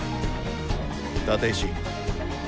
立石。